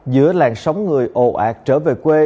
giữa làn sóng người ồ ạt trở về quê